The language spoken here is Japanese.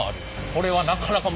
これは。